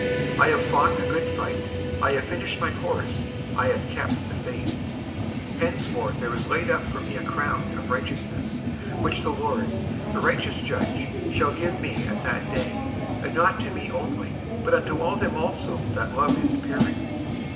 55:004:007 I have fought a good fight, I have finished my course, I have kept the faith: 55:004:008 Henceforth there is laid up for me a crown of righteousness, which the Lord, the righteous judge, shall give me at that day: and not to me only, but unto all them also that love his appearing.